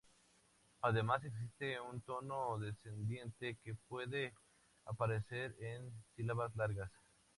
Además, existe un tono descendente que puede aparecer en sílabas largas.